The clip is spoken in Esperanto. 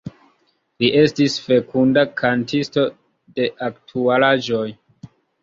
Li estis fekunda kantisto de aktualaĵoj.